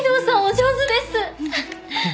お上手です！